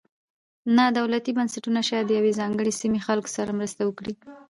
نا دولتي بنسټونه شاید د یوې ځانګړې سیمې خلکو سره مرسته وکړي.